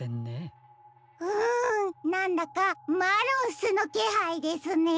うんなんだか「マロンス」のけはいですね。